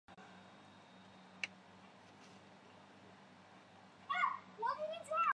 节目的最大特色是有只猫在演播室中随意走动。